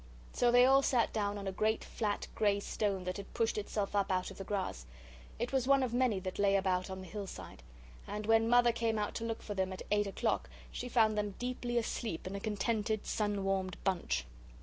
So they all sat down on a great flat grey stone that had pushed itself up out of the grass; it was one of many that lay about on the hillside, and when Mother came out to look for them at eight o'clock, she found them deeply asleep in a contented, sun warmed bunch.